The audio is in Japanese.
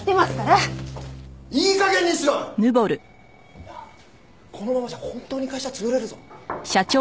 なあこのままじゃ本当に会社潰れるぞ。